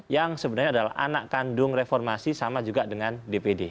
yang sebenarnya adalah anak kandung reformasi sama juga dengan dpd